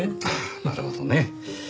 なるほどね。